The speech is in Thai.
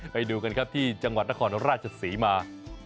ไปดูกันครับที่จังหวัดนครราชศรีมา